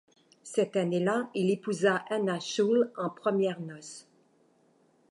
Cette année-là, il épouse Anna Schulle en premières noces.